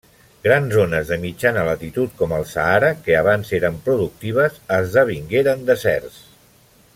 Grans zones de mitjana latitud com el Sàhara que abans eren productives esdevingueren deserts.